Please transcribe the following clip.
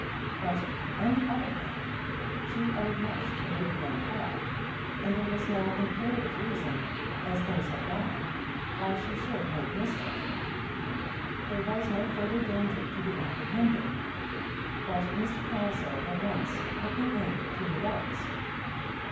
But, on the other hand, she owed much to Lady Glencora; and there was no imperative reason, as things had gone, why she should make mischief. There was no further danger to be apprehended. But Mr. Palliser at once put an end to her doubts.